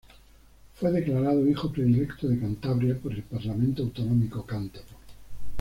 Fue declarado "Hijo Predilecto de Cantabria" por el parlamento autonómico cántabro.